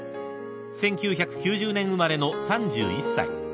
［１９９０年生まれの３１歳］